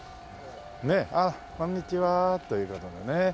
あっこんにちはという事でね。